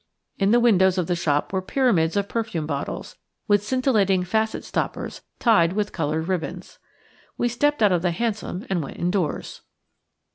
In the windows of the shop were pyramids of perfume bottles, with scintillating facet stoppers tied with coloured ribbons. We stepped out of the hansom and went indoors.